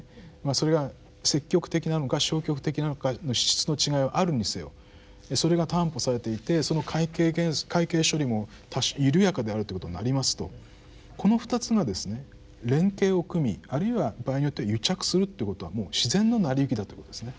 それが積極的なのか消極的なのかの質の違いはあるにせよそれが担保されていてその会計処理も緩やかであるということになりますとこの２つがですね連携を組みあるいは場合によっては癒着するっていうことはもう自然の成り行きだということですね。